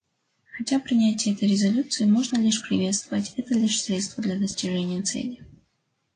Хотя принятие этой резолюции можно лишь приветствовать, это лишь средство для достижения цели.